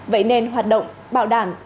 vậy nên hoạt động bảo đảm